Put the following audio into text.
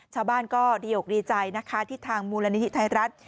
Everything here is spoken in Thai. ชาวบ้านก็ดีอกดีใจนะคะที่ทางมูลนิธิไทยรัฐ